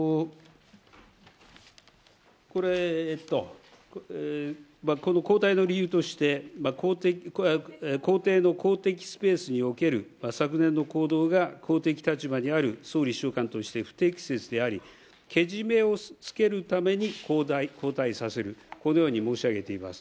これ、えっと、この交代の理由として、公邸の公的スペースにおける昨年の行動が公的立場にある総理秘書官として不適切であり、けじめをつけるために交代させる、このように申し上げています。